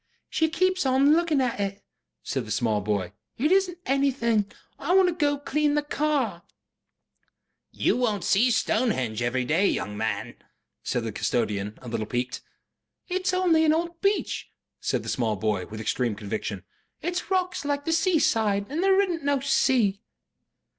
"She keeps on looking at it," said the small boy. "It isunt anything. I want to go and clean the car." "You won't SEE Stonehenge every day, young man," said the custodian, a little piqued. "It's only an old beach," said the small boy, with extreme conviction. "It's rocks like the seaside. And there isunt no sea."